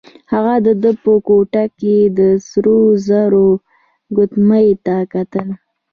هغه د ده په ګوته کې د سرو زرو ګوتمۍ ته کتل.